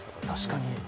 確かに。